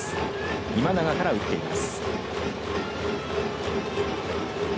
今永から打っています。